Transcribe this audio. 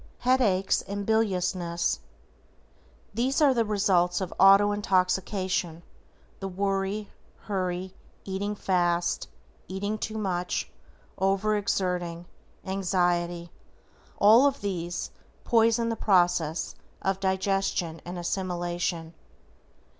=HEADACHES AND BILIOUSNESS:= These are the results of AUTO INTOXICATION, the worry, hurry, eating fast, eating too much, over exerting, anxiety, all of these poison the process of digestion and assimilation.